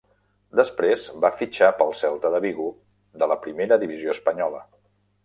Després va fitxar pel Celta de Vigo, de la Primera Divisió espanyola.